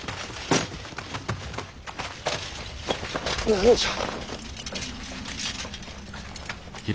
何じゃ。